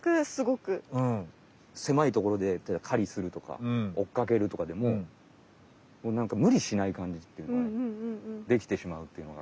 狭いところで狩りするとか追っかけるとかでももうなんかむりしない感じっていうかできてしまうっていうのが。